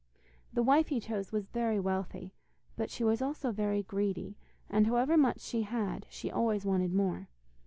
The wife he chose was very wealthy, but she was also very greedy, and however much she had, she always wanted more.